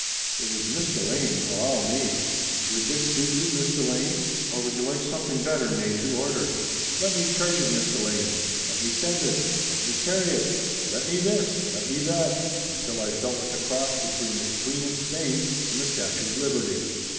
It was Miss Delane allow me! Would this suit you, Miss Delane, or would you like something better made to order ? Let me charge it, Miss Delane, let me send it, let me carry it, let me this, let me that, until I felt like a cross between the queen of Spain and the Statue of Liberty.